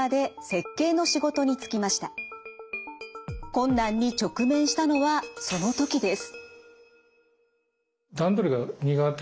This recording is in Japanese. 困難に直面したのはその時です。